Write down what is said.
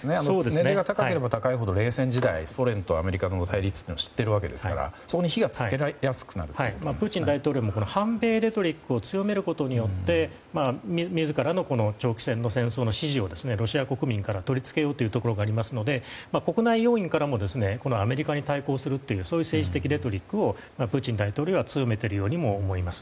年齢が高くなればなるほど冷戦時代、ソ連とアメリカの対立は知っているわけですからプーチン大統領もこの反米レトリックを強めることによって自らの長期戦の戦争の支持をロシア国民に取り付けようというところがありますので、国内要因からもアメリカに対抗するという政治的レトリックをプーチン大統領には強めているようにも見えます。